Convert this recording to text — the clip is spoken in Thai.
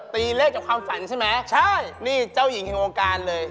ตีเลขจากความฝันใช่ไหมใช่นี่เจ้าหญิงแห่งวงการเลย